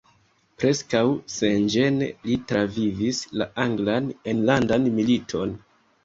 Preskaŭ senĝene li travivis la anglan enlandan militon.